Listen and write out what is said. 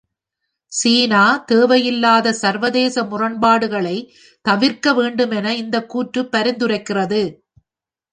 சீனா தேவையில்லாத சர்வதேச முரண்பாடுகளை தவிர்க்க வேண்டுமென இந்தக் கூற்று பரிந்துரைக்கிறது.